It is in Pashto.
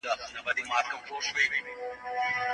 مطالعه انسان ته ښه اخلاق ښيي.